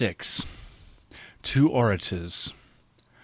Two Orators